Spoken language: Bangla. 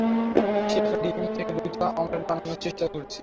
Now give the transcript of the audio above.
সে একটা ডিম থেকে দুইটা অমলেট বানানো চেষ্টা করছে।